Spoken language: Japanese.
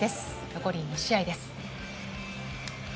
残り２試合です。